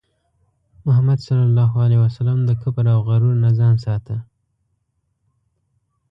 محمد صلى الله عليه وسلم د کبر او غرور نه ځان ساته.